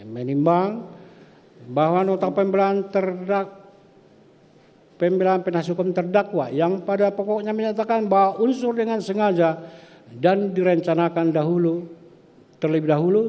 menimbang bahwa notak pembelaan penasih hukum terdakwa yang pada pokoknya menyatakan bahwa unsur dengan sengaja dan direncanakan dahulu